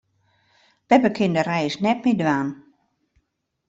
Beppe kin de reis net mear dwaan.